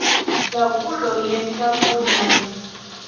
La okuloj estas brunaj.